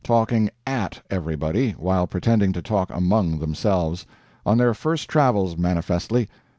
Talking AT everybody, while pretending to talk among themselves. On their first travels, manifestly.